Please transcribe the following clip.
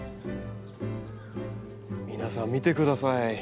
皆さん見てください。